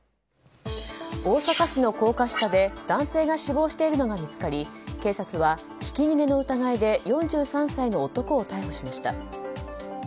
大阪市の高架下で男性が死亡しているのが見つかり警察はひき逃げの疑いで４３歳の男を逮捕しました。